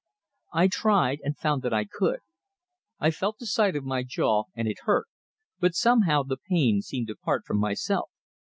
I tried and found that I could. I felt the side of my jaw, and it hurt, but somehow the pain seemed apart from myself.